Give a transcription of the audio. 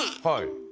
はい。